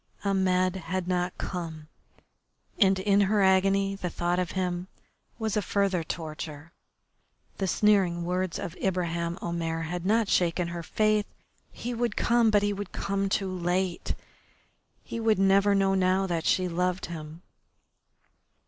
Ahmed had not come, and in her agony the thought of him was a further torture. The sneering words of Ibraheim Omair had not shaken her faith. He would come, but he would come too late. He would never know now that she loved him.